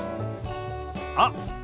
あっ！